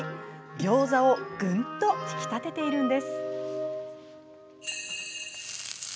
ギョーザをぐんと引き立てているんです。